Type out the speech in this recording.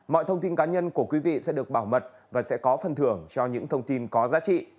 mọi thông tin cá nhân của quý vị sẽ được bảo mật và sẽ có phần thưởng cho những thông tin có giá trị